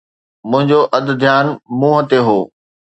منهنجو اڌ ڌيان منهن تي هو.